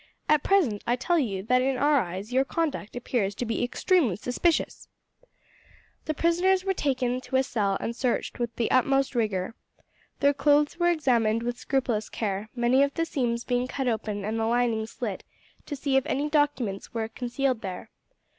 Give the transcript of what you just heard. At present I tell you that in our eyes your conduct appears to be extremely suspicious." The prisoners were then taken to a cell and searched with the utmost rigour. Their clothes were examined with scrupulous care, many of the seams being cut open and the linings slit, to see if any documents were concealed there.